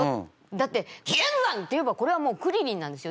だって「気円斬」って言えばこれはもうクリリンなんですよ。